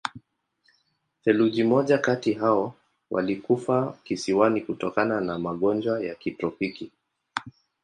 Theluji moja kati hao walikufa kisiwani kutokana na magonjwa ya kitropiki.